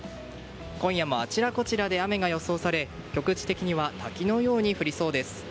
今夜もあちらこちらで雨が予想され局地的には滝のように降りそうです。